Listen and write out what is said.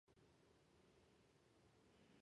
長野県上松町